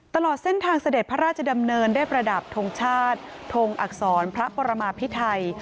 ตลอดเส้นทางเสด็จพระราชดำเนินได้ประดับทงชาติทงอักษรพระปรมาพิไทย